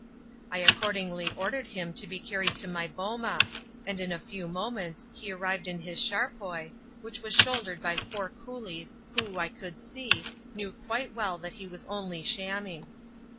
I accordingly ordered him to be carried to my boma, and in a few moments he arrived in his charpoy, which was shouldered by four coolies who, I could see, knew quite well that he was only shamming.